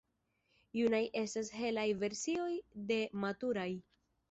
Junaj estas helaj versioj de maturaj.